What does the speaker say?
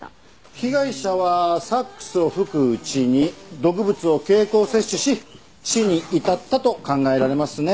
被害者はサックスを吹くうちに毒物を経口摂取し死に至ったと考えられますね。